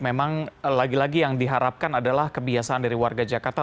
memang lagi lagi yang diharapkan adalah kebiasaan dari warga jakarta